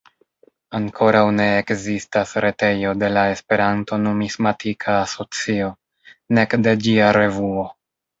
Ankoraŭ ne ekzistas retejo de la Esperanto-Numismatika Asocio, nek de ĝia revuo.